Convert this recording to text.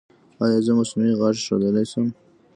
ایا زه مصنوعي غاښ ایښودلی شم؟